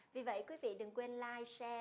vì vậy quý vị đừng quên like share